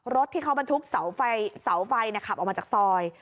รถที่เขาบรรทุกเสาไฟขับออกมาจากซอย